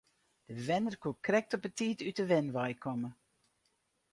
De bewenner koe krekt op 'e tiid út de wenwein komme.